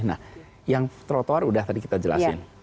nah yang trotor sudah tadi kita jelasin